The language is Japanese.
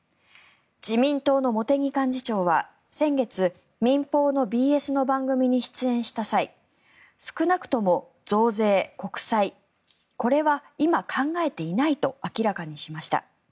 自民党の茂木幹事長は先月民放のＢＳの番組に出演した際少なくとも増税、国債これは今、考えていないと明らかにしました。